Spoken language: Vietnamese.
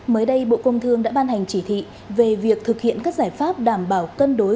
mới đây bộ công thương đã ban hành chỉ thị về việc thực hiện các giải pháp đảm bảo cân đối